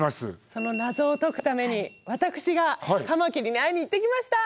その謎を解くために私がカマキリに会いに行ってきました。